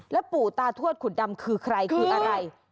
ปู่ตาทวดขุดดำคือใครคืออะไร